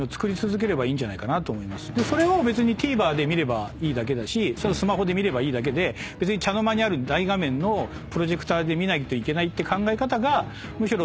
それをＴＶｅｒで見ればいいだけだしスマホで見ればいいだけで別に茶の間にある大画面のプロジェクターで見ないといけないって考え方がむしろ。